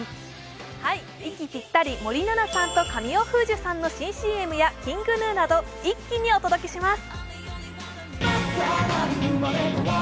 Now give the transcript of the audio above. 行きぴったり森七菜さんと神尾楓珠さんの新ＣＭやＫｉｎｇＧｎｕなど一気にお届けします。